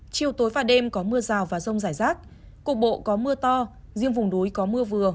chiều tối và đêm có mưa rào và rông rải rác cục bộ có mưa to riêng vùng núi có mưa vừa